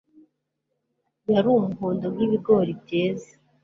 Yari umuhondo nkibigori byeze